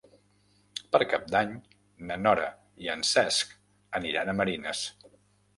Per Cap d'Any na Nora i en Cesc aniran a Marines.